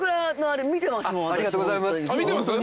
ありがとうございます。